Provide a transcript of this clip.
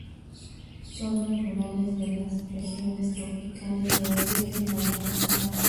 Son naturales de las regiones tropicales de África y Madagascar.